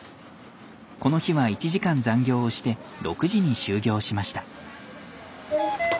この日は１時間残業をして６時に終業しました。